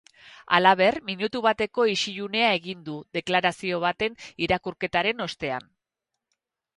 Halaber, minutu bateko isilunea egin du, deklarazio baten irakurketaren ostean.